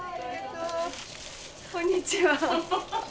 こんにちは。